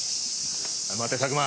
待て佐久間。